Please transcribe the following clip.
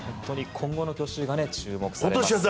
今後の去就が注目されます。